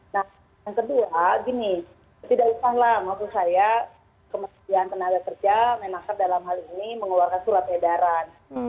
nah yang kedua gini tidak usahlah maksud saya kementerian tenaga kerja menaker dalam hal ini mengeluarkan surat edaran